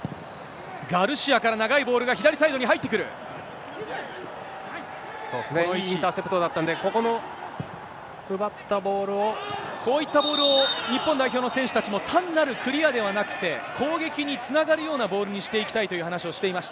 ガルシアから長いボールが左サイインターセプトだったんで、こういったボールを、日本代表の選手たちも、単なるクリアではなくて、攻撃につながるようなボールにしていきたいという話をしていまし